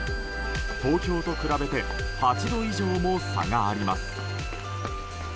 東京と比べて８度以上も差があります。